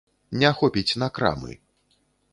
Не хопіць на крамы.